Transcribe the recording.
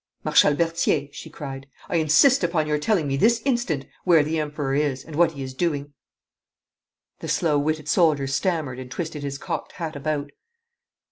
'Marshal Berthier,' she cried, 'I insist upon your telling me this instant where the Emperor is, and what he is doing.' The slow witted soldier stammered and twisted his cocked hat about.